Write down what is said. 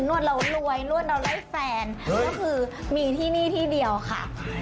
วดเรารวยนวดเราไล่แฟนก็คือมีที่นี่ที่เดียวค่ะ